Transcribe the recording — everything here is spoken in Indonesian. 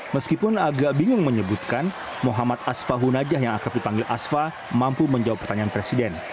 meskipun agak bingung menyebutkan muhammad asfahunajah yang akrab dipanggil asfah mampu menjawab pertanyaan presiden